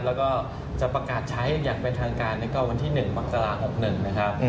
แล้วก็จะประกาศใช้อย่างเป็นทางการวันที่๑มกรา๖๑นะครับ